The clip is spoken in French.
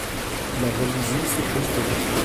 La jalousie, c'est préhistorique.